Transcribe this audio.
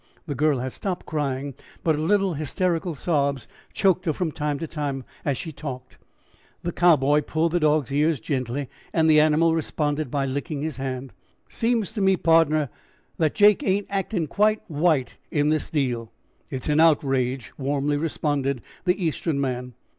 The girl had stopped crying, but little hysterical sobs choked her from time to time as she talked. The Cowboy pulled the dog's ears gently and the animal responded by licking his hand. "Seems to me, pardner, that Jake ain't actin' quite white in this deal." "It's an outrage," warmly responded the Eastern man.